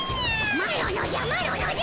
マロのじゃマロのじゃ。